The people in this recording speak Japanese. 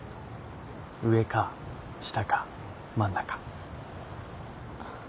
上か下か真ん中。